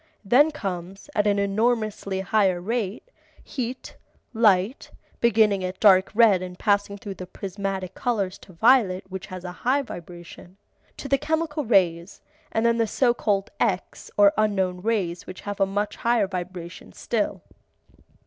Then comes, at an enormously higher rate, heat, light (beginning at dark red and passing through the prismatic colors to violet which has a high vibration), to the chemical rays, and then the so called X or unknown rays which have a much higher vibration still.